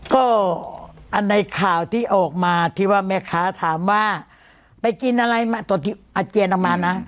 ก็อันในข่าวที่ออกมาที่ว่าแม่ค้าถามว่าไปกินอะไรมาตรวจอาเจียนออกมานะ